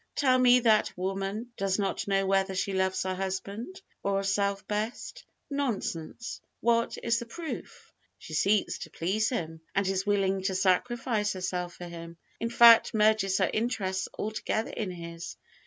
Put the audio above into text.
Tell me that woman does not know whether she loves her husband or herself best! Nonsense! What is the proof? she seeks to please him, and is willing to sacrifice herself for him in fact, merges her interests altogether in his.